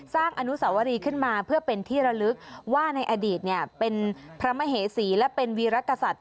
อนุสาวรีขึ้นมาเพื่อเป็นที่ระลึกว่าในอดีตเป็นพระมเหสีและเป็นวีรกษัตริย์